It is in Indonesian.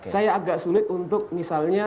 saya agak sulit untuk misalnya